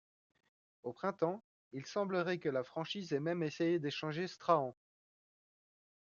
Au printemps, il semblerait que la franchise ait même essayé d'échanger Strahan.